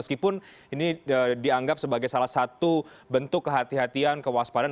meskipun ini dianggap sebagai salah satu bentuk kehatian kehatian kewaspadaan